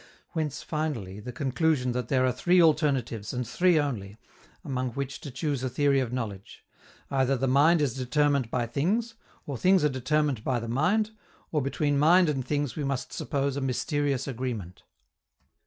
Whence, finally, the conclusion that there are three alternatives, and three only, among which to choose a theory of knowledge: either the mind is determined by things, or things are determined by the mind, or between mind and things we must suppose a mysterious agreement.